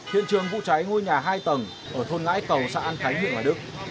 hiện trường vụ cháy ngôi nhà hai tầng ở thôn ngãi cầu sạn khánh hiện ngoài đức